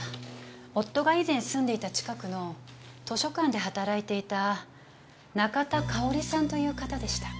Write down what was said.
夫が以前住んでいた近くの図書館で働いていた仲田佳保里さんという方でした。